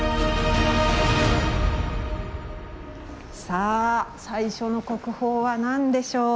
さあ最初の国宝は何でしょう。